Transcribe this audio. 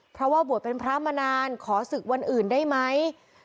เพราะว่าบวชเป็นพระมานานขอศึกวันอื่นได้ไหม